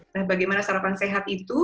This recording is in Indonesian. nah bagaimana sarapan sehat itu